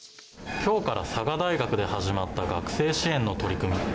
きょうから佐賀大学で始まった学生支援の取り組み。